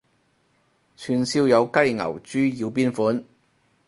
串燒有雞牛豬要邊款？